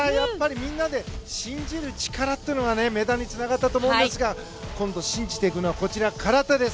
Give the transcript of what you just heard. みんなで信じる力がメダルにつながったと思いますが今度、信じていくのは空手です。